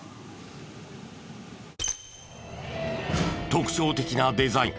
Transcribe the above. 特徴的なデザイン。